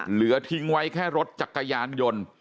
เหลือทิ้งไว้แค่รถจักรยานยนต์